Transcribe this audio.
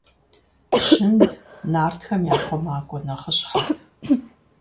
Щынд нартхэм я хъумакӀуэ нэхъыщхьэт.